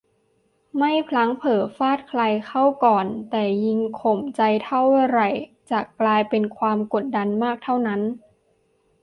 ไม่พลั้งเผลอฟาดใครเข้าก่อน แต่ยิ่งข่มใจเท่าไหร่จะกลายเป็นความกดดันมากเท่านั้น